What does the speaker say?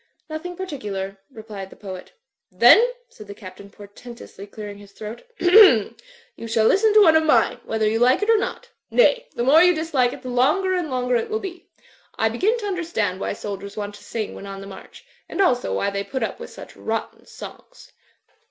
"Nothing particular," replied the poet "Then," said the Captain, portentously, clearing his throat, "you shall listen to one of mine, whether you Digitized by CjOOQI^ 298 THE FLYING INN like it or not — nay, the more you dislike it the longer and longer it will be. I begin to understand why soldiers want to sing when on the march ; and also why they put up with such rotten songs.